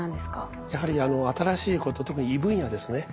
やはり新しいこと特に異分野ですね。